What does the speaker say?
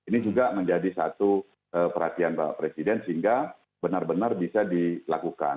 ini juga menjadi satu perhatian pak presiden sehingga benar benar bisa dilakukan